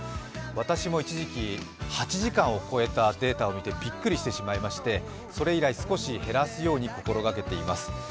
私も一時期、８時間を超えたデータを見てびっくりしてしまいそれ以来、少し減らすように心がけています。